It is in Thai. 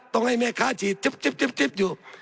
ต้องให้แม่ค้าฉีดจิ๊บอยู่